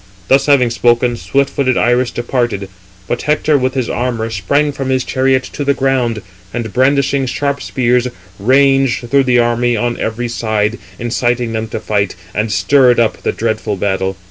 Thus having spoken, swift footed Iris departed. But Hector with his armour sprang from his chariot to the ground, and brandishing sharp spears, ranged through the army on every side, inciting them to fight, and stirred up the dreadful battle.